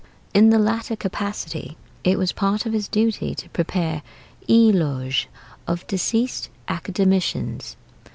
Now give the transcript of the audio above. In the latter capacity it was part of his duty to prepare éloges of deceased Academicians.